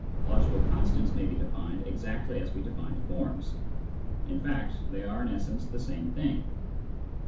Logical constants may be defined exactly as we defined forms ; in fact, they are in essence the same thing.